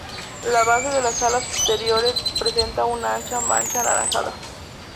La base de las alas posteriores presenta una ancha mancha anaranjada.